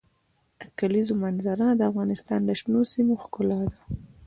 د کلیزو منظره د افغانستان د شنو سیمو ښکلا ده.